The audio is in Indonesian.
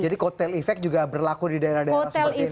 jadi kotele efek juga berlaku di daerah daerah seperti ini ya